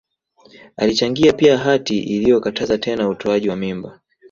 Alichangia pia hati iliyokataza tena utoaji wa mimba